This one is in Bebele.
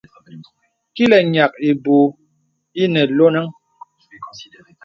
Kilə̀ ǹyàk ìbūū ìnə lɔnàŋ.